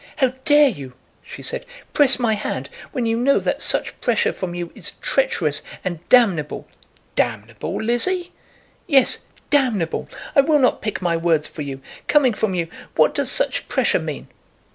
"How dare you," she said, "press my hand, when you know that such pressure from you is treacherous and damnable!" "Damnable, Lizzie!" "Yes; damnable. I will not pick my words for you. Coming from you, what does such pressure mean?"